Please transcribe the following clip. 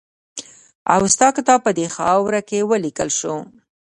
اوستا کتاب په دې خاوره کې ولیکل شو